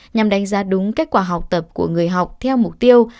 nhằm đánh giá đúng kết quả học tập của người học theo mục tiêu